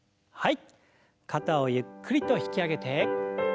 はい。